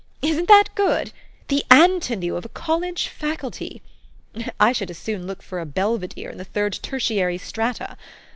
Isn't that good? The Antinous of a college Faculty ! I should as soon look for a Belvedere in the third tertiary strata.